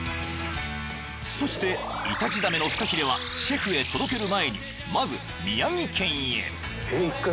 ［そしてイタチザメのフカヒレはシェフへ届ける前にまず宮城県へ］